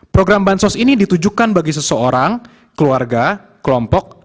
program bansos ini ditujukan bagi seseorang keluarga kelompok